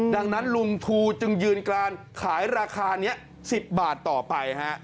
ดังนั้นลุงทูจึงยืนกรานขายราคานี้๑๐บาทต่อไปฮะ